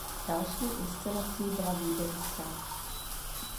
Další inscenací byla vídeňská.